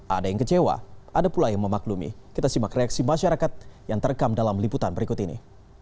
ada yang kecewa ada pula yang memaklumi kita simak reaksi masyarakat yang terekam dalam liputan berikut ini